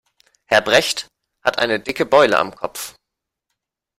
Herr Brecht hat eine dicke Beule am Kopf.